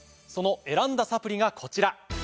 その選んだサプリがこちら。